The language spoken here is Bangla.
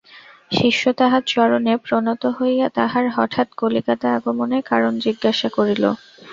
শিষ্য তাঁহার চরণে প্রণত হইয়া তাঁহার হঠাৎ কলিকাতা-আগমনের কারণ জিজ্ঞাসা করিল।